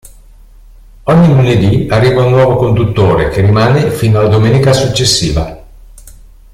Ogni lunedì arriva un nuovo conduttore che rimane fino alla domenica successiva.